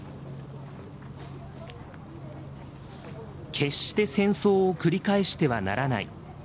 「決して、戦争を繰り返してはならない」。